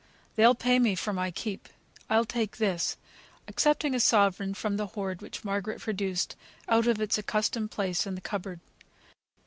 They'll pay me for my keep. I'll take this," accepting a sovereign from the hoard which Margaret produced out of its accustomed place in the cupboard.